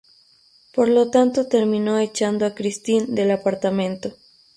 Por lo tanto terminó echando a Christine del apartamento.